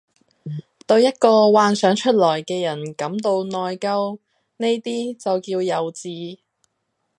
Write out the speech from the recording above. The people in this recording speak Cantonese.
對一個幻想出來嘅人感到內疚，呢啲就叫幼稚